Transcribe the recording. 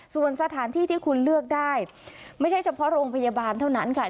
ส่วนสถานที่ที่คุณเลือกได้ไม่ใช่เฉพาะโรงพยาบาลเท่านั้นค่ะ